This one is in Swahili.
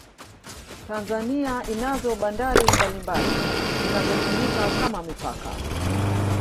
Tanzania inazo bandari mbalimbali zinazotumika kama mipaka